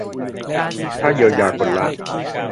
ถ้าเยียวยาคนละ